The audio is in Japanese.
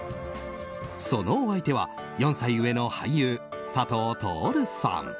そのお相手は４歳上の俳優・佐藤達さん。